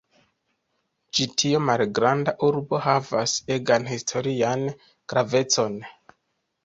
Ĉi tio malgranda urbo havas egan historian gravecon.